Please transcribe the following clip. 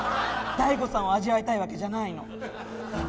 ＤＡＩＧＯさんを味わいたいわけじゃないの。